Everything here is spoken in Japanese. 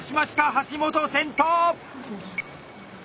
橋本先頭！